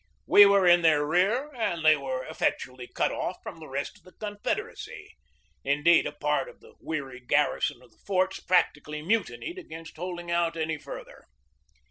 We were in their rear and they were effectually cut off from the rest of the Confederacy. Indeed, a part of the weary garrison of the forts practically mutinied against holding out any further.